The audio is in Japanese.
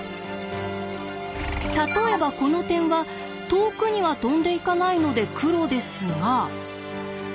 例えばこの点は遠くには飛んでいかないので黒ですが。